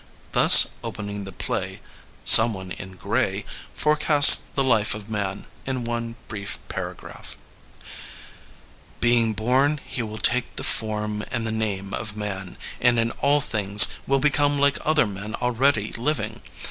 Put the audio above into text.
Thus opening the play, Someone in Gray forecasts the Life of Man in one brief paragraph: Being bom he will take the form and the name of Man, and in all things will become like other men already living.